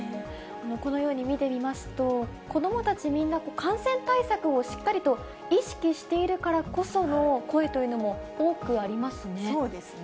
このように見てみますと、子どもたちみんな、感染対策をしっかりと意識しているからこその声というのも多くあそうですね。